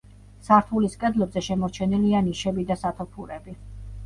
სართულის კედლებზე შემორჩენილია ნიშები და სათოფურები.